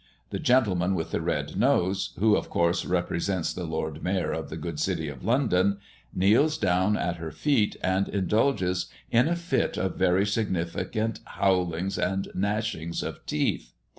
The gentleman with the red nose, who, of course, represents the Lord Mayor of the good City of London, kneels down at her feet, and indulges in a fit of very significant howlings and gnashings of teeth.